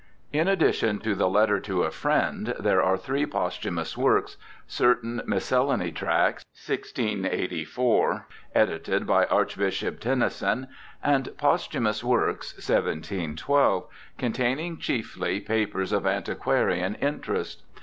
In addition to the Letter to a Friend^ there are three posthumous works. Certain Miscellany Tracts (1684), edited by Archbishop Tenison, and Posthumous Works (1712), containing chiefly papers of antiquarian interest.